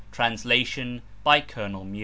Translation by Colonel Mure.